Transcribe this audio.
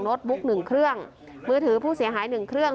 บุ๊กหนึ่งเครื่องมือถือผู้เสียหายหนึ่งเครื่อง